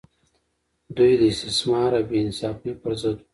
دوی د استثمار او بې انصافۍ پر ضد وو.